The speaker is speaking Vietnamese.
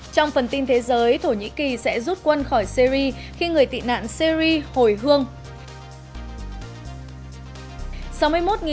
trong phần tin thế giới thổ nhĩ kỳ sẽ rút quân khỏi syri khi người tị nạn syri hồi hương